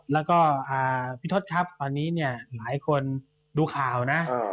แล้วก็พี่ทศครับตอนนี้เนี่ยหลายคนดูข่าวนะ